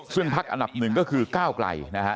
ซึ่งพักอันดับหนึ่งก็คือก้าวไกลนะฮะ